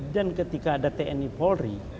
ketika ada tni polri